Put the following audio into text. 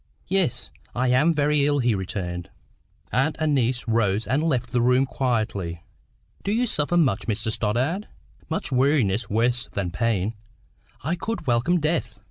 "Yes; I am very ill," he returned. Aunt and niece rose and left the room quietly. "Do you suffer much, Mr Stoddart?" "Much weariness, worse than pain. I could welcome death."